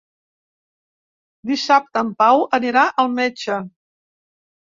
Dissabte en Pau anirà al metge.